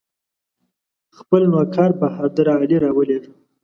خپل نوکر بهادر علي راولېږه.